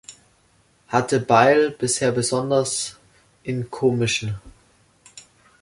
Hatte Beil bisher besonders in komischen.